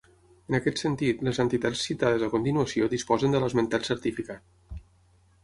En aquest sentit les entitats citades a continuació disposen de l'esmentat certificat.